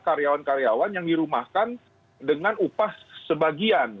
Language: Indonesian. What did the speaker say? karyawan karyawan yang dirumahkan dengan upah sebagian